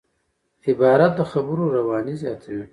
عبارت د خبرو رواني زیاتوي.